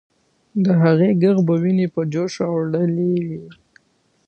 د هغې ږغ به ويني په جوش راوړلې وې.